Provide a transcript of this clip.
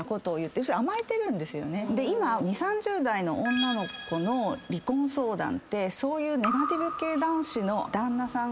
今２０３０代の女の子の離婚相談ってそういうネガティブ系男子の旦那さん